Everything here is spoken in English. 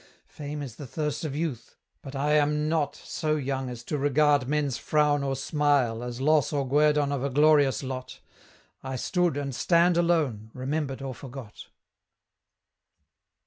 Fame is the thirst of youth, but I am not So young as to regard men's frown or smile As loss or guerdon of a glorious lot; I stood and stand alone, remembered or forgot.